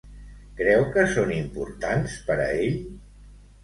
Creu que són importants per a ell?